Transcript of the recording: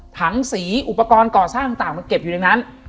ถังสีอุปกรณ์ก่อสร้างต่างมันเก็บอยู่ในนั้น